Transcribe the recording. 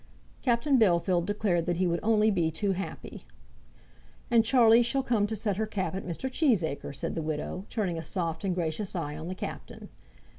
Captain Bellfield declared that he would only be too happy. "And Charlie shall come to set her cap at Mr. Cheesacre," said the widow, turning a soft and gracious eye on the Captain.